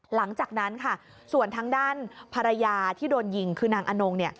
หลังจากนั้นค่ะส่วนทางด้านภรรยาที่โดนยิงคือนางอนง